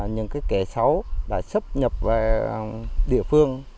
những kẻ xấu đã xấp nhập vào địa phương